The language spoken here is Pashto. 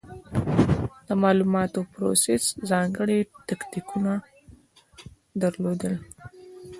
د مالوماتو پروسس ځانګړې تکتیکونه درلودل.